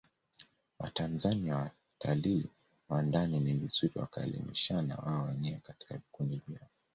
Watanzania watalii wa ndani ni vizuri wakaelimishana wao wenyewe katika vikundi vyao